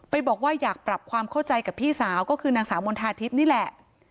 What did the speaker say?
บอกว่าอยากปรับความเข้าใจกับพี่สาวก็คือนางสาวมณฑาทิพย์นี่แหละ